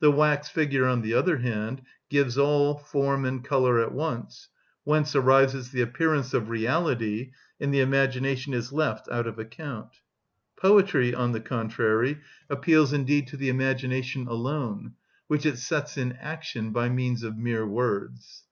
The wax figure, on the other hand, gives all, form and colour at once; whence arises the appearance of reality, and the imagination is left out of account. Poetry, on the contrary, appeals indeed to the imagination alone, which it sets in action by means of mere words.